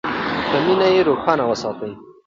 په مینه یې روښانه وساتئ.